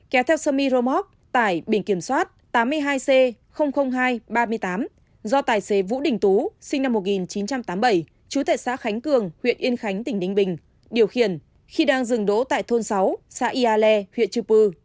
năm mươi bốn tám mươi năm kéo theo semi romox tại biển kiểm soát tám mươi hai c hai ba mươi tám do tài xế vũ đình tú sinh năm một nghìn chín trăm tám mươi bảy chú tệ xã khánh cường huyện yên khánh tỉnh đinh bình điều khiển khi đang dừng đỗ tại thôn sáu xã yà lè huyện chư pư